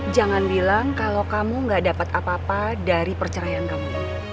jangan bilang kalau kamu gak dapat apa apa dari perceraian kamu